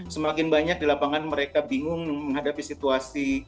semakin banyak di lapangan mereka bingung menghadapi situasi